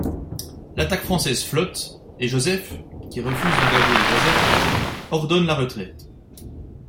L'attaque française flotte, et Joseph, qui refuse d'engager les réserves, ordonne la retraite.